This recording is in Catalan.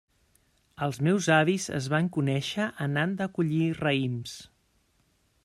Els meus avis es van conèixer anant a collir raïms.